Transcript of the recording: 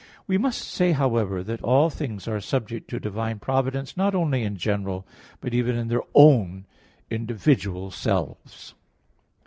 We must say, however, that all things are subject to divine providence, not only in general, but even in their own individual selves.